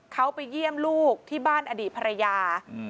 เขาไปเยี่ยมลูกที่บ้านอดีตภรรยา